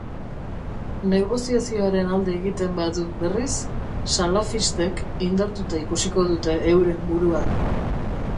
Negoziazioaren alde egiten badu, berriz, salafistek indartuta ikusiko dute euren burua.